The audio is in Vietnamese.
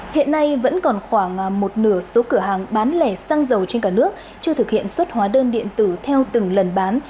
hiện nay vẫn còn khoảng một nửa số cửa hàng bán lẻ xăng dầu trên cả nước chưa thực hiện xuất hóa đơn điện tử theo từng lần bán